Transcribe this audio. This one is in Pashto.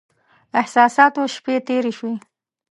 احساساتو شپې تېرې شوې.